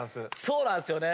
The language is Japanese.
そうなんすよね。